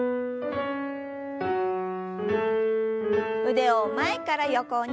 腕を前から横に。